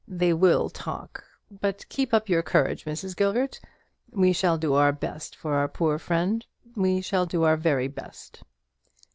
They will talk; but keep up your courage, Mrs. Gilbert. We shall do our best for our poor friend. We shall do our very best."